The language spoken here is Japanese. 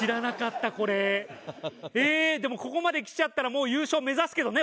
ええーでもここまで来ちゃったらもう優勝を目指すけどね